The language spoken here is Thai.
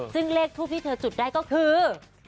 ซึ่งเลขทูปที่เธอจุดได้ก็คือ